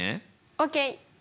ＯＫ！